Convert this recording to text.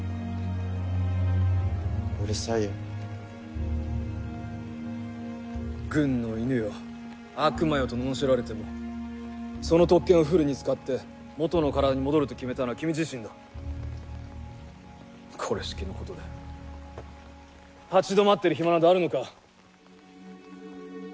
うるさいよ軍の狗よ悪魔よと罵られてもその特権をフルに使って元の体に戻ると決めたのは君自身だこれしきのことで立ち止まってる暇などあるのか？